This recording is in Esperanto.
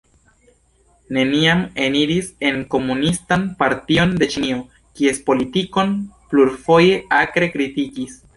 Neniam eniris en Komunistan Partion de Ĉinio, kies politikon plurfoje akre kritikis.